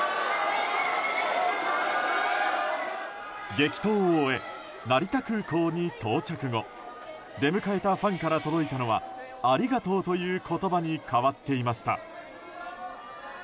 激闘を終え、成田空港に到着後出迎えたファンから届いたのはありがとうという言葉に変わっていました。